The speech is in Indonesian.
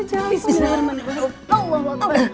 tau lah mak